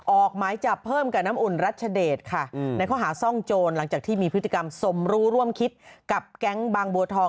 ออกหมายจับเพิ่มกับน้ำอุ่นรัชเดชค่ะในข้อหาซ่องโจรหลังจากที่มีพฤติกรรมสมรู้ร่วมคิดกับแก๊งบางบัวทอง